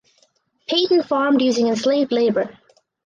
Peyton farmed using enslaved labor.